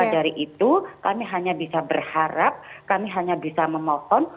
oleh karena itu kami hanya bisa berharap kami hanya bisa memotong